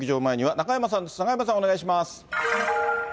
中山さん、お願いします。